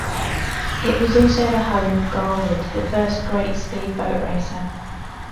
It was also the home of Gar Wood the first great speed boat racer.